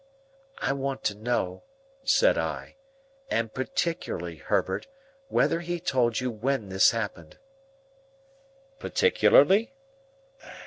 "I want to know," said I, "and particularly, Herbert, whether he told you when this happened?" "Particularly?